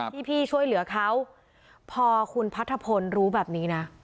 พี่ช่วยเหลือเขาพอคุณพัทธพลรู้แบบนี้นะ